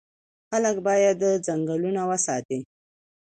خلک باید ځنګلونه وساتي.